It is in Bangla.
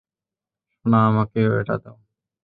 সোনা, আমাকেও এটা দাও।